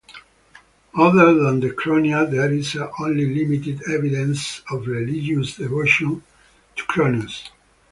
Other than the Kronia, there is only limited evidence of religious devotion to Cronus.